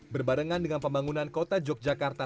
berbarengan dengan pembangunan kota yogyakarta